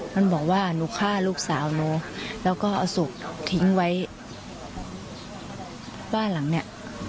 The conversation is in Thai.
มันบอกว่าหนูฆ่าลูกสาวหนูแล้วก็เอาศพทิ้งไว้บ้านหลังเนี้ย